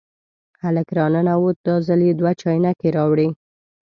هلک را ننوت، دا ځل یې دوه چاینکې راوړې.